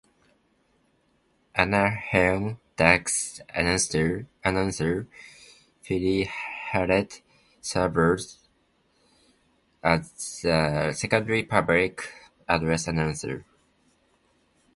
Anaheim Ducks announcer Phil Hulett serves as the secondary public address announcer.